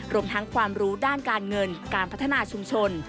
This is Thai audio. รวมทั้งความรู้ด้านการเงินการพัฒนาชุมชน